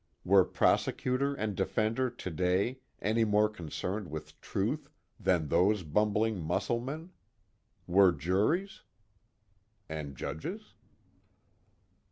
Were prosecutor and defender today any more concerned with truth than those bumbling muscle men? Were juries? And judges?